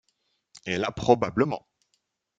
Elle a probablement.